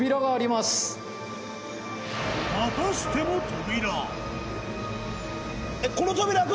またしても扉。